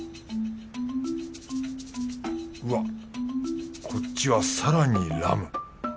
うわっこっちは更にラム。